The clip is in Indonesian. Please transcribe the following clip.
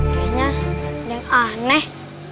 kayaknya ada yang aneh